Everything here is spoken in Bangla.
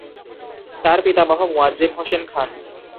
তাঁর পিতামহ মোয়াজ্জেম হোসেন খান।